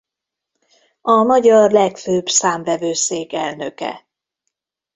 A magyar legfőbb számvevőszék elnöke.